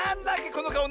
このかお？